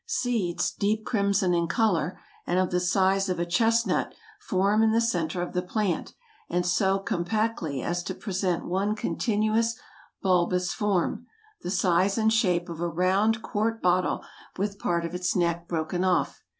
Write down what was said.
Seeds, deep crimson in color, and of the size of a chestnut, form in the center of the plant, and so compactly as to present one continuous bulbous form, the size and shape of a round quart bottle with part of its neck broken off.